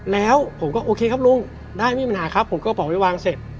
แล้วผมก็โอเคครับลุงได้ไม่มีปัญหาครับผมก็กระเป๋าไปวางเสร็จ